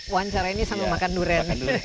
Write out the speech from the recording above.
wancar ini sama makan duren